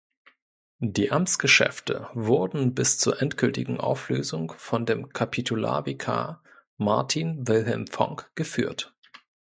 Die Amtsgeschäfte wurden bis zur endgültigen Auflösung von dem Kapitularvikar Martin Wilhelm Fonck geführt.